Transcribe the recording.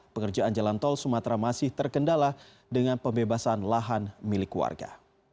pengerjaan jalan tol sumatera masih terkendala dengan pembebasan lahan milik warga